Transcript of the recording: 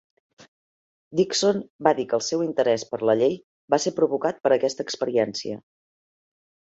Dickson va dir que el seu interès per la llei va ser provocat per aquesta experiència.